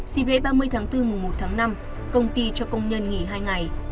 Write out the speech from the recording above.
dịp lễ ba mươi bốn một năm công ty cho công nhân nghỉ hai ngày